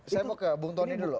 saya mau ke bung tony dulu